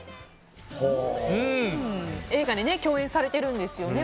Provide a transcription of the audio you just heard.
映画で共演されているんですよね